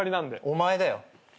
お前だよ。